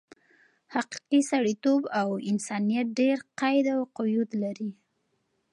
حقیقي سړیتوب او انسانیت ډېر قید او قیود لري.